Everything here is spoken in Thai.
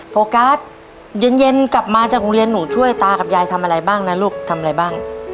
โฟกัสเย็นกลับมาจากโรงเรียนหนูช่วยตากับยายทำอะไรบ้างนะลูกทำอะไรบ้าง